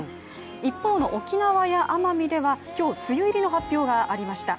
一方の沖縄や奄美では今日梅雨入りの発表がありました。